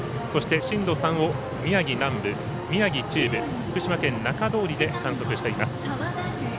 そして、震度３を宮城南部、宮城中部、福島県中通りで観測しています。